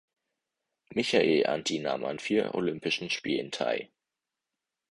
Michael Anti nahm an vier Olympischen Spielen teil.